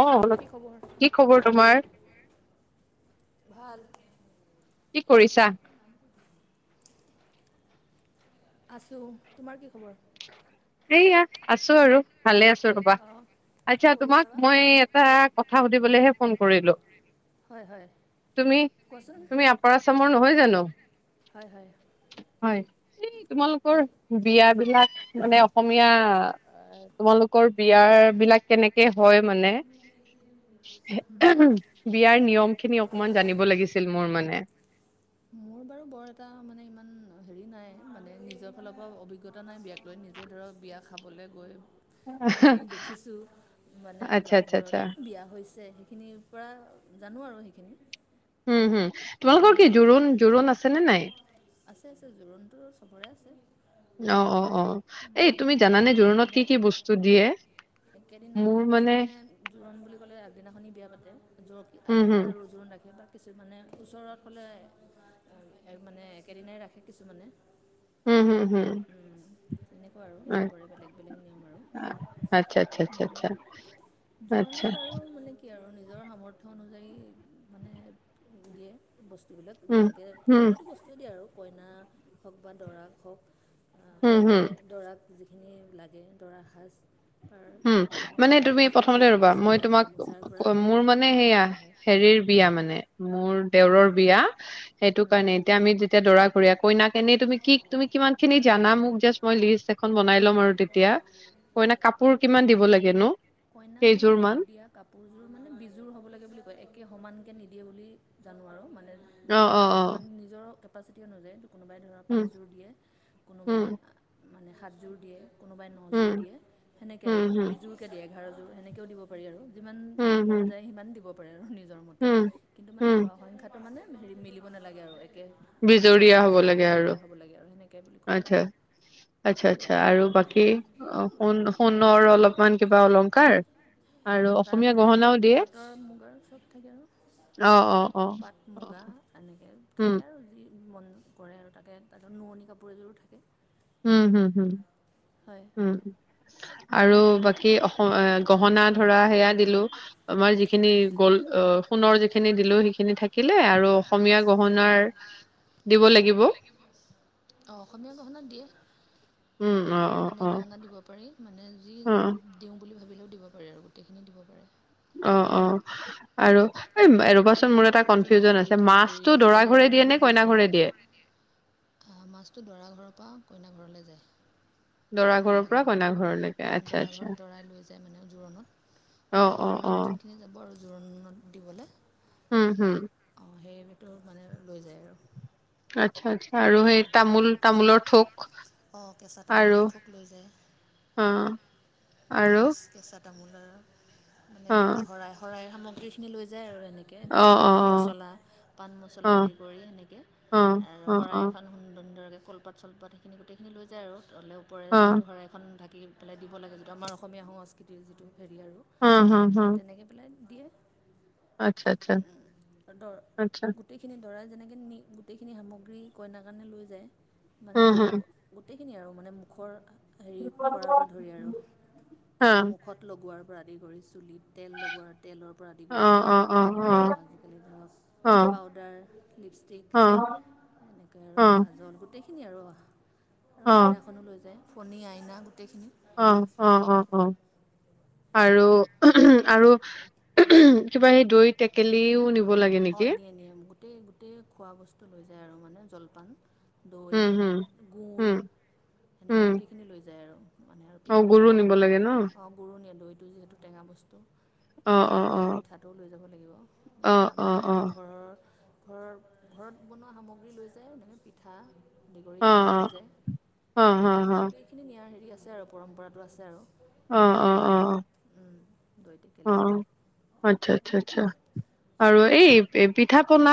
অ' কি খবৰ কি খবৰ তোমাৰ? ভাল কি কৰিছা? আছো তোমাৰ কি খবৰ? সেইয়া আছো আৰু। ভালে আছো ৰবা অঁ কি আচ্ছা কৰি তোমাক আছা বা মই এটা ভালে আছো। ৰবা আতছা তোমাক মই এটা কথা সুধিবলৈহে ফোন কৰিলো হয় হয় তুমি কোৱাচোন তুমি আপৰাচামৰ নহয় জানো হয় হয় হয় এই তোমালোকৰ বিয়া বিলাক। মানে অসমীয়া তোমালোকৰ বিয়া বিলাক কেনেকে হয় মানে। বিয়াৰ নিয়ম খিনি অকমান জানিব লাগিছিল মোৰ মানে। অডিঅ'টো বুজি পোৱা নাই [unintelligible] মোৰ বাৰু বৰ এটা মানে ইমান হেৰি নাই মানে নিজৰ ফালৰ পৰা অভিজ্ঞতা নাই বিয়াক লৈ নিজে ধৰক বিয়া খাবলৈ গৈ। যিখিনি দেখিছোঁ মানে আচ্ছা বা আচ্ছা আচ্ছা ঘৰত বিয়া হৈছে সেইখিনিৰ পৰা। জানো আৰু সেইখিনি। উম হু উম নাই আছে আছে জোৰোণটোো চবৰে আছে অ অ উ অ এই তুমি জানানে জোৰোণত কিছুমানে কি কি বস্তু দিয়ে একেদিনা মোৰ মানে কিছুমানে জোৰোণ বুলি ক'লে আগদিনাখনি বিয়া পাতে উম আগদিনা হুম ৰ জোৰোণ ৰাখে বা। কিছুমানে। ওচৰত হ'লে মানে একেদিনাই ৰাখে কিছুমানে। উম হম হম তেনেকুৱা আৰু চবৰে বেলেগ বেলেগ নিয়ম আৰু আচ্ছা আচ্ছা আচ্ছা আচ্ছা আচ্ছা। জোৰোণত আৰু মানে কি আৰু নিজৰ সামৰ্থ্য অনুযায়ী মানে। দিয়ে। বস্তুবিলাক উম যেনেকৈ হুম প্ৰতিটো বস্তুৱে দিয়ে আৰু। কইনা হওক বা দৰাক হওক হুম কইনা হুম দৰাক। যিখিনি লাগে দৰা সাজ। উম মানে তুমি প্ৰথমতে ধুতি ৰবা মই চেলেং তোমাক গামোচাৰ পৰা মোৰ আদি মানে কৰি সেয়া হয় হেৰিৰ বিয়া মানে। মোৰ হয় দেউৰৰ বিয়া সেইটো হয় কাৰণে এতিয়া আমি যেতিয়া দৰা ঘৰি। কইনা কেনে তুমি কি তুমি কিমান খিনি জানা মোক জাষ্ট মই লিষ্ট। খন বনাই ল'ম আৰু তেতিয়া কইনা কাপ দিব লাগে ন। কইনাক মানে দিয়া কাপোৰযোৰ মানে বিজোৰ হব লাগে বুলি কয় একে সমান কে নিদ দিয়ে বুলি জানো আৰু মানে। অ ধৰা অ অ মানে নিজৰ কেপাচিতি আনুজাৰি। কোনোবাই ধৰক উম পাঁচযোৰ দিয়ে উম কোনোবাই মানে সাতযোৰ দিয়ে। কোনোবাই উম, নযোৰ দিয়ে সেনেকে আৰু হুম, মানে হুম, বিজোৰকে দিয়ে। ঘাৰযোৰ সেনেকেও দিব পাৰি আৰু। যিমান হুম, মন হুম, যায় সিমান দিব। পৰে আৰু নিজৰ। নিজৰ মতে হুম, কিন্তু মানে হুম, সংখ্যাটো মানে। হেৰি মিলিব নালাগে আৰু। হ'ব নালাগে বিজু বিজুুৰীয়া হ'ব লাগে আৰু সেনেকে। আচছা আচ্ছা আচ্ছা জানো আৰু সেনেকৈ বাকী অহ সোণ ধৰক সোণৰ অলপমান কিবা অলংকাৰ কাৰ। অহ মানে তাতে আৰু গোটেই পাটৰ মুগাৰ চব থাকে অ', অ', আৰু অ', পাট মুগা অ', এনেকৈ উম, থাকে আৰু যি মন কৰে আৰু তাতে তাতে নোৱনি কাপোৰ এযোৰো থাকে। উম হম হম। হয় উম। আৰু বাকী অসম গহনা ধৰা সেয়া দিলো আমাৰ যিখিনি গল সোণৰ যিখিনি দিলো সেইখিনি থাকিলে আৰু অসমীয়া গহণাৰ দিব লাগিব। [unintelligible] অহ অসমীয়া গহনাত দিয়ে। উম, অ', অ', অসমীয়া অ', গহনা দিব পাৰি মানে যি অ', দিওঁ বুলি ভাবি দিব পাৰে আৰু গোটেইখিনি দিব পাৰে। অহ অহ আৰু এই ৰবা জোনবিৰি ঢোলবিৰি আজিকালি ঘৰে আৰু দিয়ে নে বহুত কইনা বহুত হল ঘৰে দিয়ে? ন মাছতো দৰা ঘৰৰ পৰা কইনা ঘৰলে যে ঘৰৰ দৰা পৰা কইনা ঘৰলৈকে ঘৰত অহ আচ্ছা দৰা আচ্ছা ঘৰত দৰাই লৈ যায় মানে জোৰোণত অ দৰা অ ঘৰৰ অ মানুহ যোনখিনি যাব আৰু জোৰোণত দিবলে। উম হম অঁ সেইটো মানে লৈ যায় আৰু আচ্ছা আচ্ছা আৰু সেই তামোল তামোলৰ থোক অঁ কেঁচা তামোলৰ আৰু থোক লৈ যায় অ আৰু মাছ কেচা তামোলৰ মানে অ শৰাই শৰাইৰ সামগ্ৰীখিনি লৈ যায় আৰু সেনেকৈ অ অ ধৰক মছলা পাণ অ অ মছলা আদি কৰি সেনেকৈ অ আৰু অ অ শৰাই এখন সু সুন্দৰকৈ কলপাত চলপাত সেইি গটেইখিনি লৈ যায় আৰু ত'লে ওপৰে অ যিহেতু শৰাইখন পেলে দিব লাগে আমাৰ অসমীয়া সংস্কৃতিৰ যিটো হেৰি আৰু অ হ হ তেনেকৈ পেলাই দিয়ে। আচ্ছা আচ্ছা দৰ আচ্ছা গোটেইখিনি দৰাই যেনেকে নি গোটেইখিনি সামগ্ৰী কইনাৰ কাৰণে লৈ যায়। মানে উম হুম গোটেই। খিনি আৰু মানে মুখৰ। হেৰি কৰাৰ পৰা ধৰি আৰু। হা মুখত লগোৱাৰ। পৰা আদি কৰি চুলি। তেল লগোৱাৰ তেলৰ পৰা আদি অ কৰি, অ অ অ অ আজিকালি ধৰক পাউদাৰ লিপষ্টিক অ অ এনেকৈ অ আৰু কাজল গোটেই। খিনি আৰু। আইনাখনো লৈ যায়। ফণী আইনা গোটেইখিনি। অ অ অ অ আৰু [unintelligible] আৰু [unintelligible] কিবা সেই দৈ টেকেলিও নিব লাগে অ নেকি? নিয়ে নিয়ে। গোটেই গোটেই খোৱা বস্তু লৈ যায় আৰু মানে জলপান। দৈ উম, হুম, গুৰ হুম, সেনেকৈ হুম। গোটেইখিনি লৈ যায় আৰু। মানে আৰু অ', পিঠা গুৰো পনাও নিব লাগে ন? অঁ গুৰো নিয়ে দৈত। এই যিহেতু টেঙা বস্তু। অ', তাৰ অ', লগতে অ', মিঠাটোও লৈ যাব লাগিব মিঠা। অ', বা অ', আৰু অ', ঘৰৰ ঘৰৰ ঘৰত বনোৱা সামগ্ৰী লৈ যায়, এনেকে পিঠা। দেগৰী অ', অ', অ', খিনিও অ', অ'। লৈ যায়। অ', গোটেইখিনি নিয়াৰ হেৰি আছে। আছে আৰু পৰম্পৰাটো আছে আৰু। অ অ অ অ। দৈ অ টেকেলি আচ্ছা আচ্ছা আচ্ছা। আৰু এই পিঠা পনা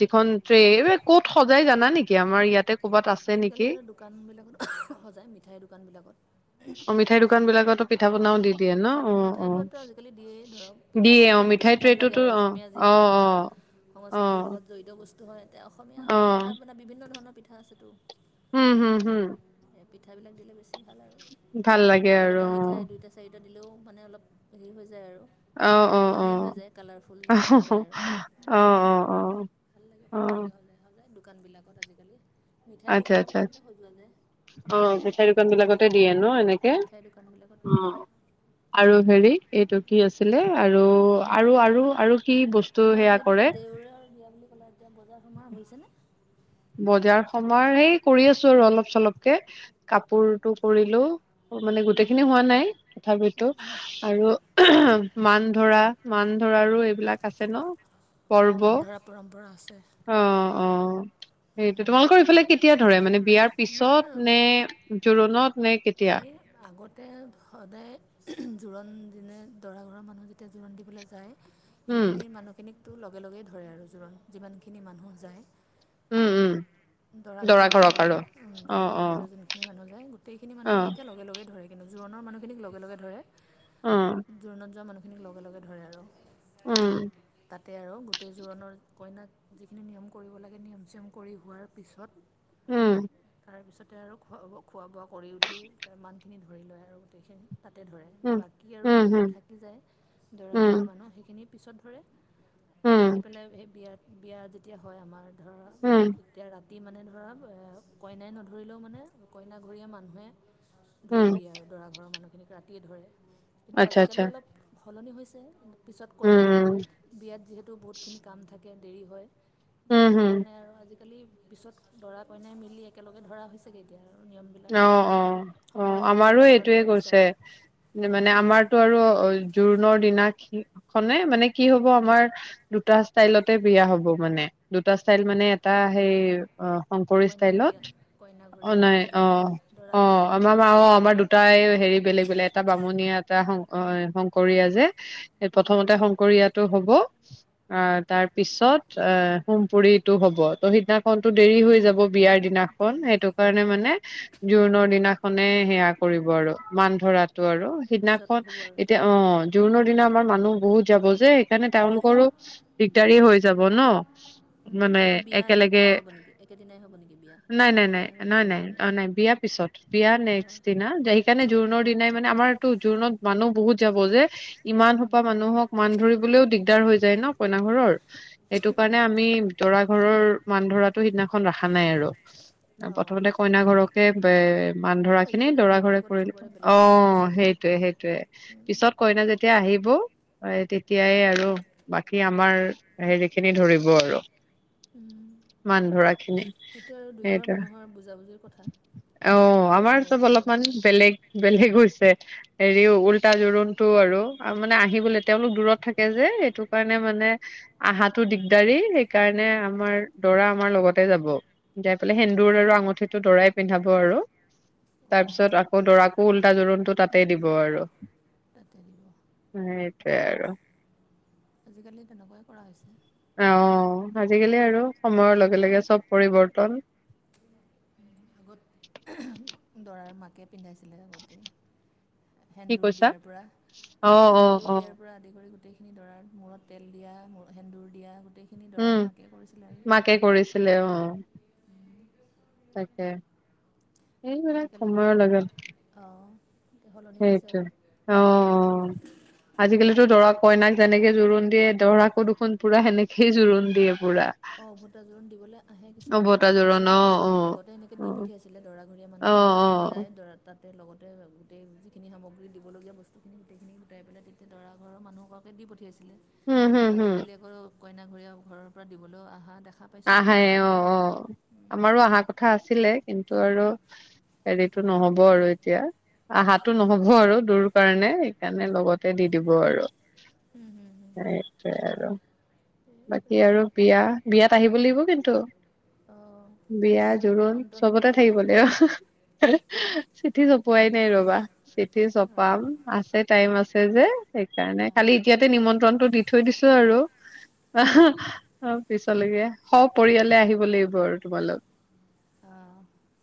যিখন এই ক'ত সজাই জানা নেকি? আমাৰ ইয়াতে ক'বাত আছে আজিকালি নেকি? দোকান বিলাকত সজায় মিঠাইৰ দোকান বিলাকত অ', মিঠাই দোকান বিলাকতো অ পিঠা পনাও দি দিয়ে ন? পিঠা অ', অ'। মিঠাইটো। আজিকালি দিয়েই ধৰক পিঠা দিয়ে পনা অ', দিলে বেছি মিঠাই ভাল লাগে ট্ৰেটোতো আৰু অ', অসমীয়া যিহেতু অ', আমাৰ অ', সংস্কৃতিৰ অ', লগত জড়িত। বস্তু হয়। অসমীয়া পিঠা অ'। পনা বিভিন্ন ধৰণৰ। পিঠা আছেতো। উম হম হম। পিঠা বিলাক দিলে বেছি ভাল আৰু ভাল লাগে তাৰ আৰু লগতে মিঠাই অ' দুইটা চাৰিটা দিলেও মানে অলপ হেৰি হৈ যায় আৰু আহ অ' ৰঙীন হৈ অ' যায় কালাৰফুল যিটো আহ বুলি কয় আৰু আহ আহ আহ ভাল লাগে আহ সুন্দৰকৈ সজাই সজাই দোকানবিলাকত আজিকালি মিঠাইৰ আচ্ছা, আচ্ছাা দোকানবিলাকতে সজোৱা যায় অ' মিঠাই দোকান বিলাকতে দিয়ে ন এনেকে মিঠাইৰ দোকানবিলাকত পোৱা যায় আৰু হেৰি এইটো কি আছিলে আৰু আৰু আৰু আৰু কি বস্তু তোমাৰ সেয়া যিহেতু কৰে এতিয়া দেউৰাৰ বিয়া বুলি ক'লা এতিয়া বজাৰ সোমাৰ হৈছে নে? বজাৰ সমাৰ এই কৰি আছোঁ আৰু অলপ চলপকে কাপোৰটো কৰিলোঁ। মানে গোটেইখিনি হোৱা নাই, তথাপিতো আৰু মান ধৰা মান ধৰাৰো এইবিলাক আছে ন'। অ' পৰ্ব মান ধৰা পৰম্পৰা আছে। অ', অ'। সেইটো তোমালোকৰ ইফালে কেতিয়া ধৰে মানে বিয়াৰ মানে পিছত আমাৰ নে জোৰোণত নে কেতিয়া। তো সদায় জোৰোণ দিনে দৰা ঘৰৰ মানুহ যেতিয়া জোৰোণ দিবলৈ যায়। উম, সেইখিনি মানুহখিনিক। তো লগে লগেই ধৰে আৰু জোৰণ যিমানখিনি মানুহ যায়। উম, উম'। দৰা ঘৰীয়া মানুহ ঘৰক আৰু উম অ', জোৰণ অ', দিবলৈ যোনখিনি মানুহ যায় গোটেইখিনি মানুহক অ', তেতিয়া লগে লগে ধৰে। জোৰণৰ মানুহখিনিক লগে লগে ধৰে। অ', জোৰনত যোৱা মানুহ কিন্তু লগে-লগে ধৰে আৰু উম। তাতে আৰু গোটেই জোৰোণৰ, কইনাক যিখিনি নিয়ম কৰিব লাগে। নিয়ম-চিয়ম কৰি হোৱাৰ পিছত উম। তাৰপিছতে আৰু খোৱা, খোৱা-বোৱা কৰি উঠি তাৰ মানখিনি ধৰি লয় আৰু গোটেইখিনি। তাতে ধৰে, উম, বাকী আৰু উম, যিখিনি হুম, থাকি যায়, দৰাঘৰীয়া উম, মানুহ সেইখিনি পিছত ধৰে। আহি উম, পেলাই সেই বিয়াত বিয়া যেতিয়া হয়, আমাৰ ধৰা উম। এতিয়া ৰাতি মানে ধৰা, এ কইনাই নধৰিলেও মানে কইনাঘৰীয়া মানুহে উম, ধৰি দিয়ে আৰু দৰা ঘৰৰ মানুক। এনেকে ৰাতিয়ে ধৰে। কিন্তু, আচ্ছা, আজিকালি আচ্ছা, অলপ সলনি হৈছে, পিছত উম, কইনাই, উম, বিয়াত যিহেতু বহুতখিনি কাম থাক, থাকে দেৰি হয়। ত', উম, সেইটো হুম, কাৰণে আৰু আজিকা, পিছত দৰা-কইনাই মিলি একেলগে ধৰা হৈছেগে, এতিয়া আৰু, নিয়মবিলাক অ', -অ', - অ', সময়ৰ লগে আমাৰো লগে সলনি এইটোয়ে হৈ গৈছে কৰিছে, আৰু মানে আমাৰতো আৰু এই, জোৰোনৰ দিনা খি-খনে, মানে কি হ'ব আমাৰ দুটা ষ্টাইলতে বিয়া হ'ব মানে, দুটা ষ্টাইল মানে এটা সেই অ, শংকৰী ষ্টাইলত কইনাঘৰীয়া অ', কইনাঘৰীয়া আৰু নাই, বেলেগ অহ, '- অহ, দৰাঘৰীয়াটো ' বেলেগ আমা-মা অ', আমাৰ দুটাই হেৰি বেলেগ-বেলেগ এটা বামুণিয়া, এটা শংক, হয়, শংকৰীয়া যে। এই প্ৰথমতে শংকৰীয়াতো হ'ব, অ, ' তাৰ পিছত অ, 'হোম পুৰিটো হ'ব, ত', সিদিনাখনতো দেৰি হৈ যাব। বিয়াৰ দিনাখন, এইটোৱে সেইটো কাৰণে মানে, জোৰোণৰ দিনাখনে সেয়া কৰিব আৰু মান ধৰা, ত ', আৰু পিছত সিদিনাখন, হ'ব আৰু এইটো এতিয়া অ', জোৰোণৰ, সিদিনা আমাৰ মানুহ বহুত যাব যে, সেইকাৰণে তেওঁলোকৰো দিগদাৰি হৈ যাব ন', উম, মানে সেইটো বিয়া একেলগে একেদিনাই হ'ব নেকি একেদিনাই হ'ব নেকি বিয়া কইনা ঘৰ জোৰোণ নাই-নাই-নাই-নাই, নাই। বিয়া পিছত, বিয়া নেক্সট দিনা। যে, সেইকাৰণে জোৰোণৰ দিনাই মানে, আমাৰতো জোৰণত মানুহ বহুত যাব যে, ইমান সোপা মানুহক মান ধৰিবলৈও দিগদাৰ হৈ য, যে ন', কইনা ঘৰৰ, সেইটো কাৰণে আমি দৰা- ঘৰৰ, মান ধৰাতো সিদিনাখন ৰাখা নাই আৰু। অঁ প্ৰথমতে, কইনা ঘৰকে বে, মান সেয়ে ধৰা খিনি আজিকালি দৰা সময়ৰ ঘৰে লগত কৰি লব চবৰে বেলেগ বেলেগ হৈ গৈছে অহ', আৰু সেইটোয়ে- সেইটোয়ে পিছত কইনা যেতিয়া আহিব, হয় তেতিয়াই আৰু বাকী আমাৰ হেৰিখিনি ধৰিব আৰু। মান ধৰা খিনি সেইটো আৰু দুইঘৰ সেইটোৱে। মানুহৰ বুজাবুজিৰ কথা অ ', কেতিয়া ধৰে আমাৰ চব এতিয়া হৈ অলপমান গ'লে বেলেগ- বেলেগ হৈছে, হেৰিও উল্টা জোৰোণটো আৰু মানে আহিবলৈ তেওঁলোক দূৰত থাকে যে, এইটো কাৰণে মানে আহাটো দিগদাৰি সেইকাৰণে আমাৰ দৰা আমাৰ লগতে যাব যাই পেলাই সেন্দুৰ আৰু আঙুঠি, টো দৰাই পিন্ধাব আৰু। অঁ তাৰপিছত আকৌ দৰাক, উল্টা জোৰোণটো তাতেই দিব আৰু। [unintelligible] তাতে দিব সেইয়াই আৰু। আজিকালি তেনেকুৱাই কৰা হৈছে আহ আজিকালি আৰু সময়ৰ লগে আগতে লগে চব পৰিৱৰ্তন। আগত [unintelligible] দৰাৰ মাকে পিন্ধাইছিলে আগতে। কি সেন্দুৰ কৈছা? দিয়াৰ পৰা অ', আগতে অ', সেন্দুৰ দিয়াৰ অ', পৰা আদি কৰি। গোটেইখিনি দাৰা মূৰত তেল দিয়া মূ সেন্দুৰ দিয়া। গোটেইখিনি দৰাৰ উম মাকে কৰিছিলে আৰু মাকে কৰিছিলে অ। তাকে। এইবিলাক আজিকালি এতিয়া সময়ৰ আৰু লগে। অঁ, সলনি হৈছে সেইটো আৰু অ অ আজিকালিটো দৰা কইনাক যেনেকে জোৰোণ দিয়ে দৰাক্। কো দেখোন পুৰা সেনেকেই জোৰোণ দিয়ে। পুৰা অ উভটা জোৰণ দিবলৈ আহে অ কিছুমানে, বতা কিছু জোৰোণ অ অ আগতে এনেকে দি অ পঠিয়াইছিলে দৰাঘৰীয়া মানুহ অ যিমান খিনি অ যায় দৰা তাতে লগত। গট গোটেইখিনি সামগ্ৰী দিবলগীয়া স্তুখিনি গোটেইখিনি গোটাই পেলাই তেটিয়া দৰা ঘৰৰ মানুহগৰাকে দি পঠিয়াইছে। ছিলে হম কিন্তু হম হম আজিকালি আকৌ। কইনা ঘৰীয়া ঘৰৰ পৰা দিব। হেলল' আহা দেখ। আহে অ অ আমাৰো আহা কথা আছিলে। কিন্তু আৰু হেৰিটো নহব আৰু এতিয়া। আহাটো নহব আৰু দূৰ কাৰণে সেইকাৰণে লগতে দি দিব আৰু। হুম হুম হুম হুম সেইটোৱে আৰু এই বাকী বুলি আৰু বিয়া বিয়াত আহিব লাগিব কিন্তু অঁ বিয়া, নিশ্চয় জোৰোণ নিমন্ত্ৰণ চবতে দিলে থাকিব যাম লাগিব বাৰু অ হ হ--হে হে চিঠি চপোৱাই নাই নিমন্ত্ৰণ ৰ'বা, চিঠি চপাম অঁ আছে টাইম আছে যে, সেইকাৰণে। খালী অঁ এতিয়াতে নিমন্ত্ৰণটো দি থৈ দিছোঁ আৰু। অহ অ পিছত লৈকে স পৰিয়ালে আহিব লাগিব আৰু তোমালোক। অঁ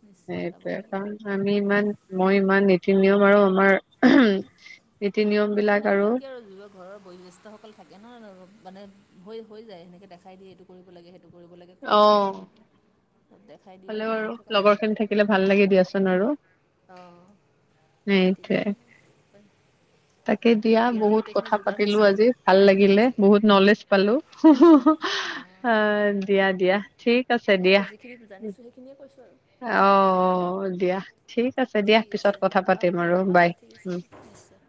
নিশ্চয় যাব সেইটোই লাগিব এখন আমি ইমান মই ইমান নীতি-নিয়ম আৰু আমাৰ- [unintelligible] নিয়ম নীতি বিলাক নিয়মবিলাক কি আৰু যিবোৰ ঘৰৰ বয়োজ্যেষ্ঠসকল থাকে ন মানে হৈ হৈ যায় সেনেকৈ দেখাই দিয়ে এইটো কৰিব লাগে সেইটো কৰিব লাগে অ কৈ থাকে ন চব দেখাই দিয়ে হ'লেও কৰি আৰু থকা যায় লগৰ আৰু খিনি তেনেকৈ থাকিলে ভাল লাগে দিয়াচোন আৰু অঁ নীতি নিয়ম সেইটোৱে তাকে দিয়া বাকী আৰু বহুত গোটেইখিনি কথা যোগাৰ পাতিলোঁ হৈছে আৰু আজি ভাল লাগিলে, চাগে বহুত নলেজ পালোঁ। [unintelligible] অ অঁ দিয়া দিয়া, ঠিক আছে সেয়াই দিয়া। আৰু যিখিনি জানিছোঁ সেইখিনিয়ে কৈছোঁ আৰু অ দিয়া, ঠিক আছে দিয়া ঠিক পিছত আছে কথা পাতিম আৰু অহ বাই অহ ঠিক আছে উম ঠিক আছে